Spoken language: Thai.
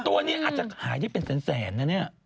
ตัวนี้อาจจะขายได้เป็นแสนนะเนี่ย